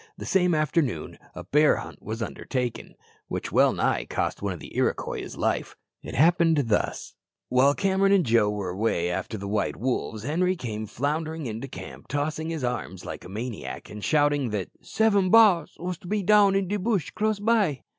The same afternoon a bear hunt was undertaken, which well nigh cost one of the Iroquois his life. It happened thus: While Cameron and Joe were away after the white wolves, Henri came floundering into camp tossing his arms like a maniac, and shouting that "seven bars wos be down in de bush close by!"